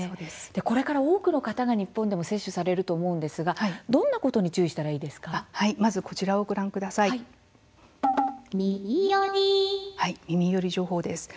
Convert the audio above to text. これから多くの方が日本でも接種されると思いますが、どんなことに注意したらいいですか。